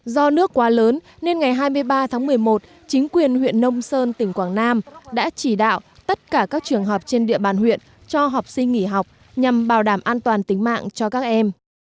do nước quá lớn nên ngày hai mươi ba tháng một mươi một chính quyền huyện nông sơn tỉnh quảng nam đã chỉ đạo tất cả các trường học trên địa bàn huyện cho học sinh nghỉ học nhằm bảo đảm an toàn tính mạng cho các em